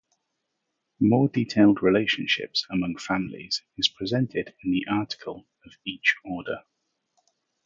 More detailed relationships among families is presented in the article of each order.